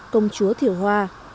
giỡn thiểu hoa